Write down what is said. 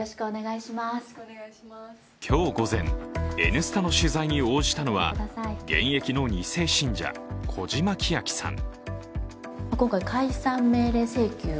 今日午前、「Ｎスタ」の取材に応じたのは現役の２世信者・小嶌希晶さん。